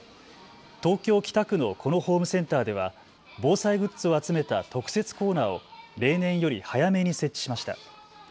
東京北区のこのホームセンターでは防災グッズを集めた特設コーナーを例年より早めに設置しました。